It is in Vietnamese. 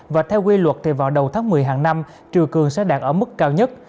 và theo quy luật thì vào đầu tháng một mươi hàng năm triều cường sẽ đạt ở mức cao nhất